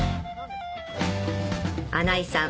穴井さん